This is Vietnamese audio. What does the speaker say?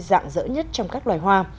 dạng dỡ nhất trong các loài hoa